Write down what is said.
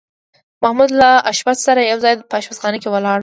محمود له اشپز سره یو ځای په اشپزخانه کې ولاړ و.